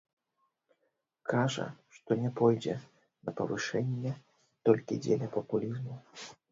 Кажа, што не пойдзе на павышэнне толькі дзеля папулізму.